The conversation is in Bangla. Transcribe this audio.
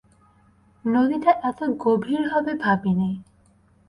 নদীটা এতো গভীর হবে ভাবিনি।